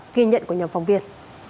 ghi nhận của nhóm phóng viên